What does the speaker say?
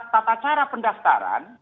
tata cara pendaftaran